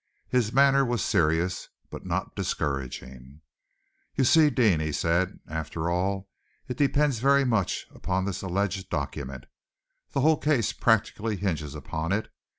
His manner was serious, but not discouraging. "You see, Deane," he said, "after all, it depends very much upon this alleged document. The whole case practically hinges upon it.